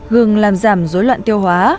gừng làm giảm dối loạn tiêu hóa